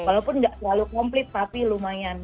walaupun gak selalu komplit tapi lumayan